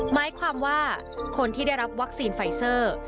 หมายความว่าคนที่ได้รับวัคซีนไฟเซอร์